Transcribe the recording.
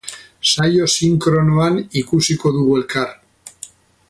Saio sinkronoan ikusiko dugu elkar.